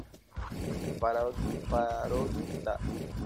Parodius Da!